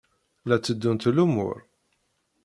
La tteddunt lumuṛ?